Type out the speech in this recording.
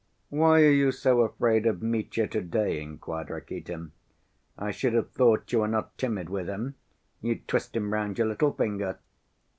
"Why are you so afraid of Mitya to‐day?" inquired Rakitin. "I should have thought you were not timid with him, you'd twist him round your little finger."